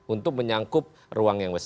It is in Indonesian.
untuk menyangkut ruang yang besar